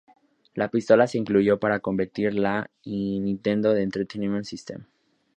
La pistola se incluyó para competir con la Nintendo Entertainment System.